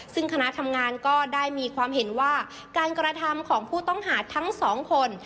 ซึ่งคณะทำงานก็ได้มีความเห็นว่าการกระทำของผู้ต้องหาทั้งสองคน